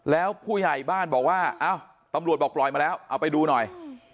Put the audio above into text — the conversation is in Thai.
แล้วผู้ใหญ่บ้านบอกว่าอ้าวตำรวจบอกปล่อยมาแล้วเอาไปดูหน่อย